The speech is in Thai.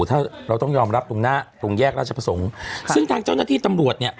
ถ้าเราต้องยอมรับตรงหน้าตรงแยกราชประสงค์ซึ่งทางเจ้าหน้าที่ตำรวจเนี่ย